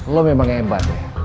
lo memang hebat ya